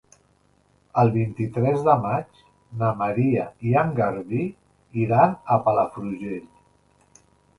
El vint-i-tres de maig na Maria i en Garbí iran a Palafrugell.